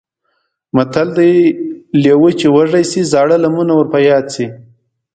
متل دی: لېوه چې وږی شي زاړه لمونه یې ور په یاد شي.